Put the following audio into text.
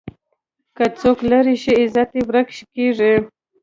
که څوک لرې شي، عزت یې ورک کېږي.